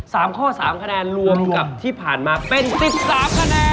สามข้อสามคะแนนรวมกับที่ผ่านมาเป็นสิบสามคะแนน